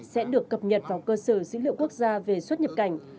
sẽ được cập nhật vào cơ sở dữ liệu quốc gia về xuất nhập cảnh